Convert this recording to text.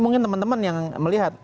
mungkin teman teman yang melihat